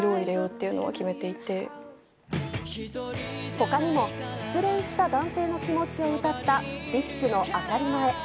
他にも失恋した男性の気持ちを歌ったＤＩＳＨ／／の「あたりまえ」。